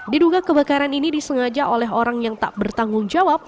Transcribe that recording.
diduga kebakaran ini disengaja oleh orang yang tak bertanggung jawab